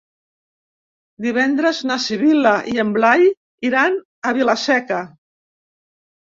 Divendres na Sibil·la i en Blai iran a Vila-seca.